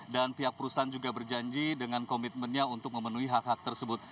dan pihak perusahaan juga berjanji dengan komitmennya untuk memenuhi hak hak tersebut